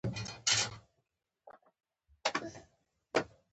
نن به نو مونږ له کلي جنګ شړو